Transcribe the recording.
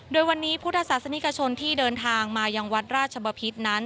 โดยวันนี้พุทธศาสนิกชนที่เดินทางมายังวัดราชบพิษนั้น